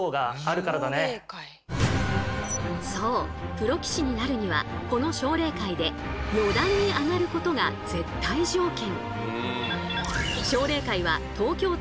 プロ棋士になるにはこの奨励会で四段に上がることが絶対条件。